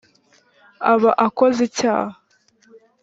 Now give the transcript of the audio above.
aba akoze icyaha